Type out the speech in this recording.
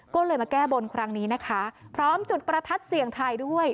ก็เลยมาแก้บนครั้งนี้นะคะพร้อมจุดประทัดเสี่ยงทายด้วย